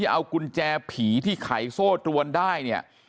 เอากุญแจผีที่ไขโซ่ตรวนได้เนี่ย